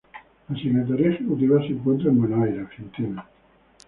La Secretaría Ejecutiva se encuentra en Buenos Aires, Argentina.